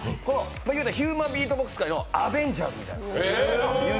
言うたら、ヒューマンビートボックス界のアベンジャーズみたいな。